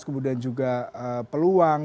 kemudian juga peluang